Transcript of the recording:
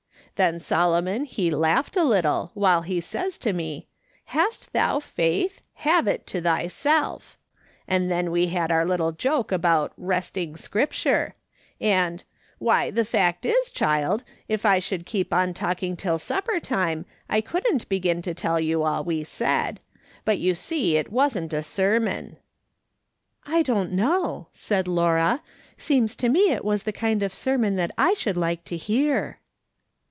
Then Solomon he laughed a little while he says to me :* Hast thou faith ? have it to thyself,' and then we had our little joke about ' wresting Scripture/ and — why, the fact is, child, if I should keep on talking till supper time, I couldn't begin to tell yon all we said; but you see it wasn't a sermon." " I don't know," said Laura ;" seems to me it was the kind of sermon that I should like to hear."